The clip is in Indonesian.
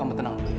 aku bukan anak dia